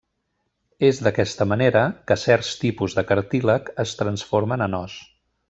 És d'aquesta manera que certs tipus de cartílag es transformen en os.